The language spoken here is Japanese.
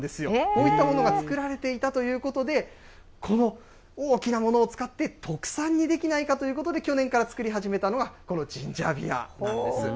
こういったものが作られていたということで、この大きなものを使って、特産にできないかということで、去年から造り始めたのが、このジンジャービアなんです。